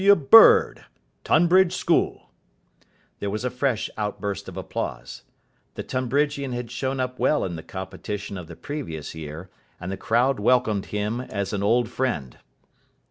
W. Bird, Tonbridge School." There was a fresh outburst of applause. The Tonbridgian had shown up well in the competition of the previous year, and the crowd welcomed him as an old friend.